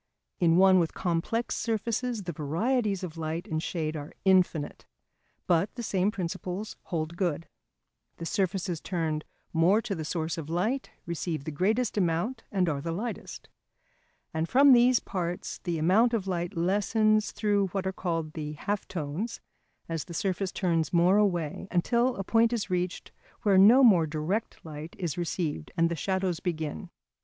In one with complex surfaces the varieties of light and shade are infinite. But the same principles hold good. The surfaces turned more to the source of light receive the greatest amount, and are the lightest. And from these parts the amount of light lessens through what are called the half tones as the surface turns more away, until a point is reached where no more direct light is received, and the shadows begin.